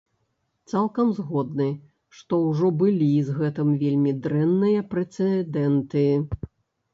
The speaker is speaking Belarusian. Цалкам згодны, што ўжо былі з гэтым вельмі дрэнныя прэцэдэнты.